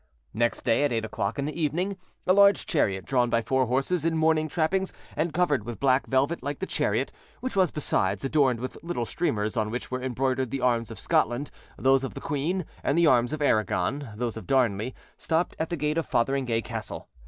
Next day, at eight o'clock in the evening, a large chariot, drawn by four horses in mourning trappings, and covered with black velvet like the chariot, which was, besides, adorned with little streamers on which were embroidered the arms of Scotland, those of the queen, and the arms of Aragon, those of Darnley, stopped at the gate of Fotheringay Castle.